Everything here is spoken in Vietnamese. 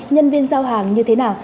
nhân viên giao hàng như thế nào